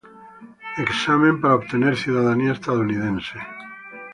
Examen para obtener ciudadanía estadounidense